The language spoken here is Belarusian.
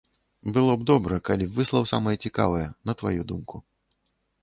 Было б добра, калі б выслаў самае цікавае, на тваю думку.